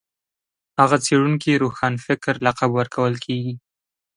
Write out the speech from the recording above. هغه څېړونکي روښانفکر لقب ورکول کېږي